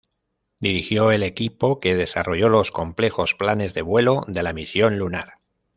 Dirigió el equipo que desarrolló los complejos planes de vuelo de la misión lunar.